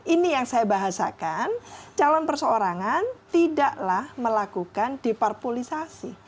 ini yang saya bahasakan calon perseorangan tidaklah melakukan diparpolisasi